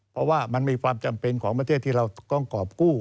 เพราะว่ามันมีความจำเป็นของประเทศที่เราต้องกรอบกู้